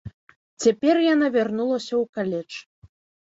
Цяпер яна вярнулася ў каледж.